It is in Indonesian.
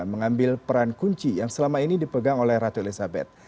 mengambil peran kunci yang selama ini dipegang oleh ratu elizabeth